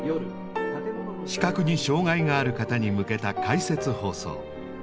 視覚に障害がある方に向けた「解説放送」。